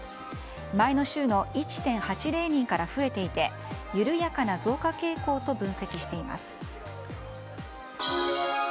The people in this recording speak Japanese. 前の週の１．８０人から増えていて緩やかな増加傾向と分析しています。